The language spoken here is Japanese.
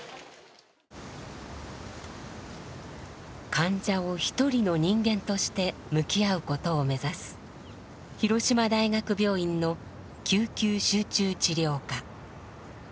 患者を一人の人間として向き合うことを目指す広島大学病院の救急集中治療科。